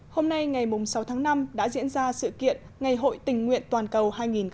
hôm nay ngày sáu tháng năm đã diễn ra sự kiện ngày hội tình nguyện toàn cầu hai nghìn một mươi chín